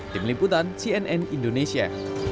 tim liputan cnn indonesia